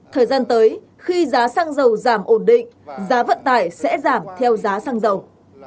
thời gian tới khi giá xăng dầu giảm ổn định giá vận tải sẽ giảm theo giá xăng dầu